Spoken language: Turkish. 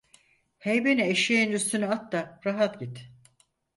Heybeni eşeğin üstüne at da rahat git!